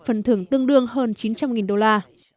phần thưởng tương đương hơn chín trăm linh đô la